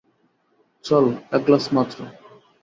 চল, এক গ্লাস মাত্র।